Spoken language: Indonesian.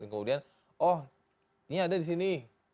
kemudian oh ini ada di sini